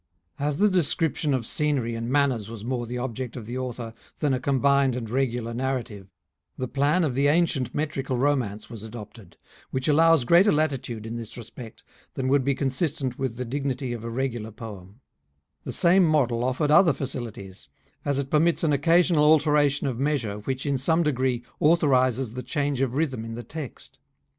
As the description of scenery and manners was mere the object of the Author than B combined and regular narrative^ the plan of the Ancient Metrical Romance was adopted, which allows greater lati tude, in this respect, than would he consistent with the dig nity of a regular Poem, The same model offered other facilities, as it permits an occasional alteration of measure, which, in some degree, authorises the change of rhythm in the text.